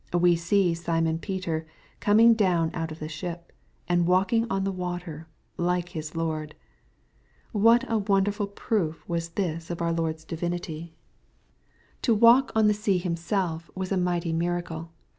Wa j Bee Simon Peter coming down out of the ship, and walk^ ! ing on the water, like His Lord. What a wonderful proof was this of our Lord's divinity 1 To xsralk on the 168 EXPOSITORY THOUGHTS. . sea Himself was a^dghtj miracle.